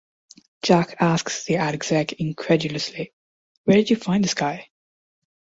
Jack asks the ad exec incredulously, Where did you find this guy?